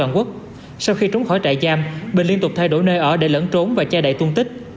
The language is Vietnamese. nhiều nơi ở để lẫn trốn và che đậy tôn tích